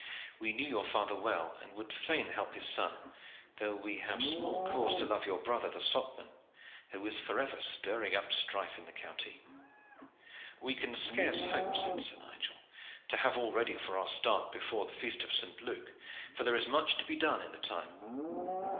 We knew your father well, and would fain help his son, though we have small cause to love your brother the Socman, who is forever stirring up strife in the county." "We can scarce hope," said Nigel, "to have all ready for our start before the feast of St. Luke, for there is much to be done in the time.